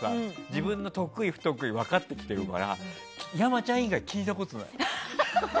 自分の得意、不得意って分かってきてるから山ちゃん以外聞いたことない。